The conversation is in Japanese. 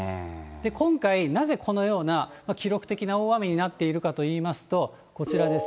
今回、なぜこのような記録的な大雨になっているかといいますと、こちらです。